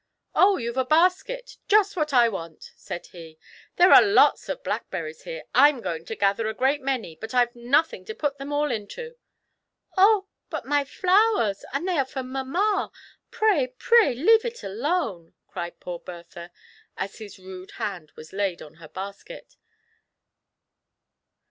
" Oh ! you've a basket — just what I want," said he ;" there are lots of blackberries here. I'm going to gather a great many, but I've nothing to put them all into." " Oh !— but my flowers — ^they are for mamma — ^pray, pray leave it alone !" cried poor Bertha, as his rude hand was laid on her basket.